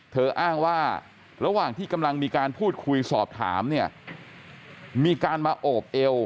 อ้างว่าระหว่างที่กำลังมีการพูดคุยสอบถามเนี่ยมีการมาโอบเอว